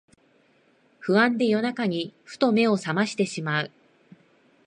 不安で夜中にふと目をさましてしまう